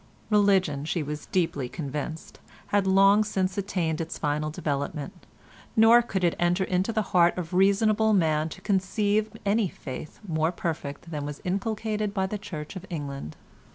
Religion, she was deeply convinced, had long since attained its final development, nor could it enter into the heart of reasonable man to conceive any faith more perfect than was inculcated by the Church of England.